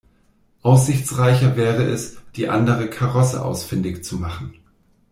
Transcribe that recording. Aussichtsreicher wäre es, die andere Karosse ausfindig zu machen.